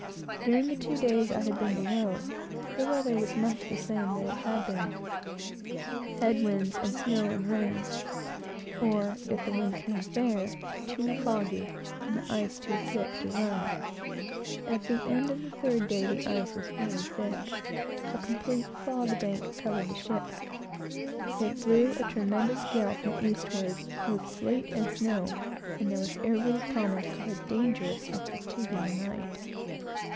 During the two days I had been below, the weather was much the same that it had been, head winds, and snow and rain; or, if the wind came fair, too foggy, and the ice too thick, to run. At the end of the third day the ice was very thick; a complete fog bank covered the ship. It blew a tremendous gale from the eastward, with sleet and snow, and there was every promise of a dangerous and fatiguing night.